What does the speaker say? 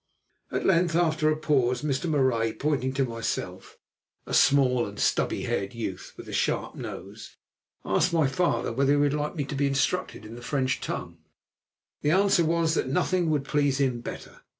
At length, after a pause, Mr. Marais, pointing to myself, a small and stubbly haired youth with a sharp nose, asked my father whether he would like me to be instructed in the French tongue. The answer was that nothing would please him better.